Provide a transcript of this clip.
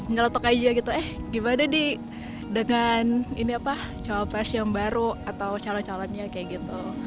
nyelotok aja gitu eh gimana nih dengan ini apa cawapres yang baru atau calon calonnya kayak gitu